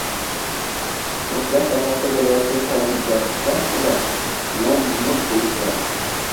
«snos»lar sohasida bo‘layotgan qonunbuzarliklar haqida lom-mim deyishmadi?